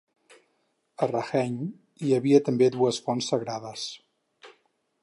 A Raheny hi havia també dues fonts sagrades.